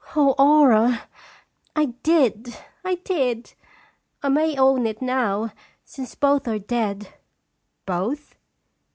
"Oh, Aura!" "I did, I did ! I may own it now, since both are dead." "Both?"